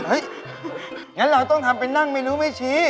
อย่างนั้นเราต้องทำไปนั่งเมนูไม่ชี